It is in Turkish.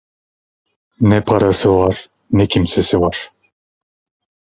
Ne parası var, ne kimsesi var…